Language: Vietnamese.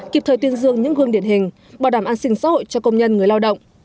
kịp thời tuyên dương những gương điển hình bảo đảm an sinh xã hội cho công nhân người lao động